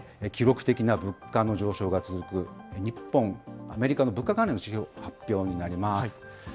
記録的な物価の上昇が続く日本、アメリカの物価関連の指標が発表になります。